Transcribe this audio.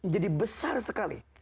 jadi besar sekali